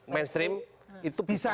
mainstream itu bisa